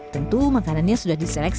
tentu makanannya sudah disediakan